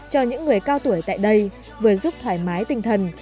cho những người cao tuổi tại đây vừa giúp thoải mái tinh thần